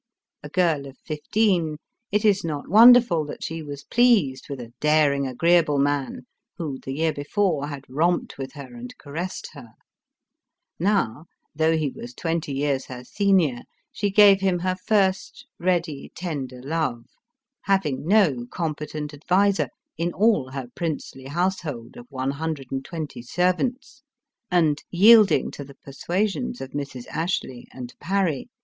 A girl of fifteen, it is not wonderful that she was pleased with a daring, agreeable man, who, the year before, had romped with her and caressed her. Now, though he was twenty years her senior, she gave him her first, ready, tender love ; having no competent adviser in all her princely household of one hundred and twenty servants, and yielding to the persuasions of Mrs. Ashley and Parry, 1 I ELIZABETH OF ENGLAND.